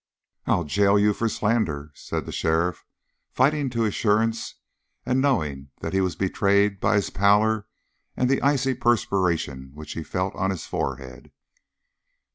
"I'll jail you for slander!" said the sheriff, fighting to assurance and knowing that he was betrayed by his pallor and by the icy perspiration which he felt on his forehead.